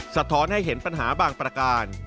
สะท้อนให้เห็นปัญหาบางประการ